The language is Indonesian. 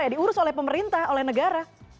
diurus oleh pemerintah oleh negara